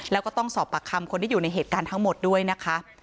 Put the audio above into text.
แล้วก็ต้องสอบปากคำคนที่อยู่ในเหตุการณ์ทั้งหมดด้วยนะคะ